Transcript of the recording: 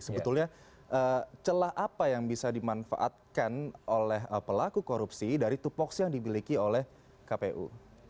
sebetulnya celah apa yang bisa dimanfaatkan oleh pelaku korupsi dari tupoksi yang dimiliki oleh kpu